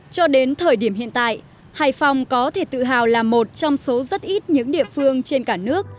cho đến thời điểm hiện tại hải phòng có thể tự hào là một trong số rất ít những địa phương trên cả nước